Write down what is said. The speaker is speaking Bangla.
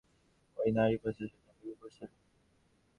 রাত নয়টার দিকে কারাখানা ছুটি হলে ওই নারী বাসের জন্য অপেক্ষা করছিলেন।